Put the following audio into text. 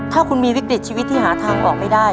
ถ้าคุณมีวิกฤตชีวิตที่หาทางออกไม่ได้